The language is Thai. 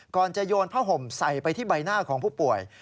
จะโยนผ้าห่มใส่ไปที่ใบหน้าของผู้ป่วย